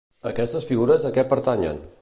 Aquestes figures, a què pertanyen?